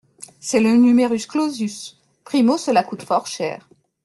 C’est le numerus clausus ! Primo, cela coûte fort cher.